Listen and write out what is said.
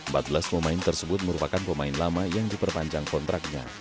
empat belas pemain tersebut merupakan pemain lama yang diperpanjang kontraknya